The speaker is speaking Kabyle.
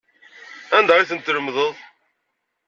Anda ay tent-tlemdeḍ?